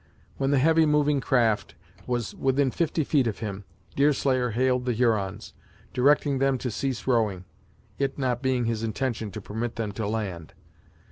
When the heavy moving craft was within fifty feet of him, Deerslayer hailed the Hurons, directing them to cease rowing, it not being his intention to permit them to land.